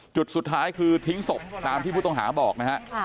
จุดสุดท้ายคือทิ้งศพตามที่ผู้ต้องหาบอกนะฮะ